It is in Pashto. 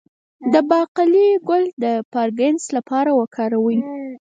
د باقلي ګل د پارکنسن لپاره وکاروئ